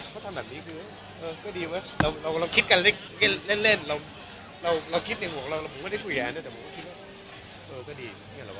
เค้าทำแบบนี้ก็ดี